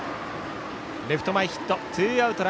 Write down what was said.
レフト前ヒット。